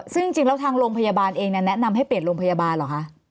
ซึ่งจริงแล้วทางโรงพยาบาลเองแนะนำให้เปลี่ยนโรงพยาบาลเหรอคะ